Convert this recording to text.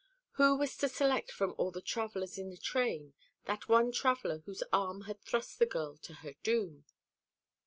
Who was to select from all the travellers in a train that one traveller whose arm had thrust the girl to her doom?